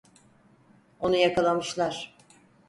Onu yakalamışlar.